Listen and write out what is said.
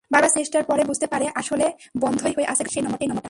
বারবার চেষ্টার পরে বুঝতে পারে, আসলে বন্ধই হয়ে আছে গ্রামীণফোনের সেই নম্বরটা।